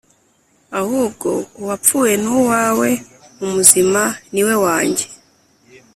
ahubwo uwapfuye ni uwawe, umuzima ni we wanjye